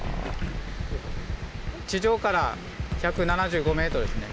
地上から１７５ｍですね。